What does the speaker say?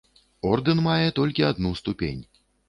Ордэн мае толькі адну ступень.